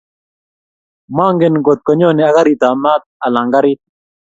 magen kotko nyoni ak garit ab mat anan garit